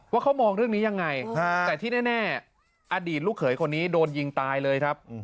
ว่าเขามองเรื่องนี้ยังไงแต่ที่แน่อดีตลูกเขยคนนี้โดนยิงตายเลยครับ